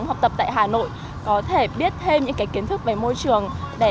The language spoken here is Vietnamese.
học tập tại hà nội có thể biết thêm những kiến thức về môi trường